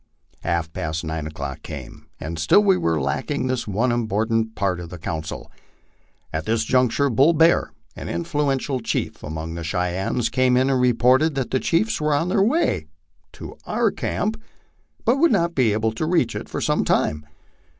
Half past nine o'clock came, and still we were lacking this one important part of the council. At this juncture Bull Bear, an influential chief among the Cheyennes, came in and reported that the chiefs were on their way to our camp, but would not be able to reach it for some time.